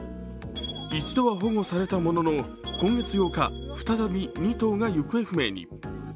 一度は保護されたものの今月８日、再び２頭が行方不明に。